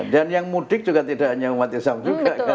dan yang mudik juga tidak hanya umat islam juga